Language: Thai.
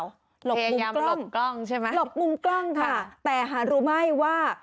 หลบมุมกล้องหลบมุมกล้องค่ะแต่หารรู้ไม่ว่า